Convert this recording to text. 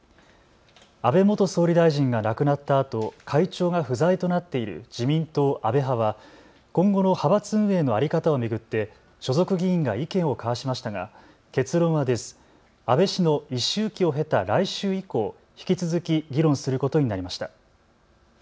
安倍元総理大臣が亡くなったあと会長が不在となっている自民党安倍派は今後の派閥運営の在り方を巡って所属議員が意見を交わしましたが結論は出ず安倍氏の一周忌を経た来週以降、引き続き議論することになりました。